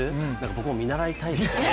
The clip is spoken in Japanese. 僕も見習いたいですね。